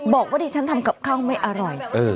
บอกว่าดิฉันทำกับข้าวไม่อร่อย